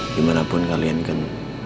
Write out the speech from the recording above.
dimanapun kalian kan